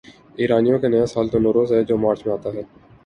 ایرانیوں کا نیا سال تو نوروز ہے جو مارچ میں آتا ہے۔